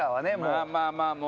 まあまあまあもうそう。